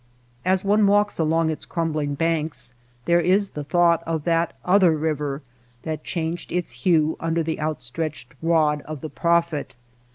As one walks along its crumbling banks there is the thought of that other river that changed its hue under the outstretched rod of the prophet.